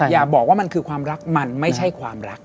อย่าบอกว่ามันคือความรักมันไม่ใช่ความรัก